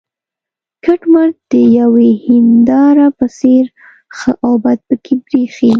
کټ مټ د یوې هینداره په څېر ښه او بد پکې برېښي.